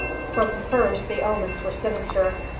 From the first the omens were sinister.